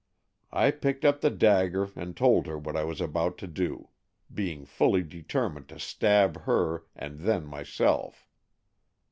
I picked up the dagger and told her what I was about to do, being fully determined to stab her and then myself.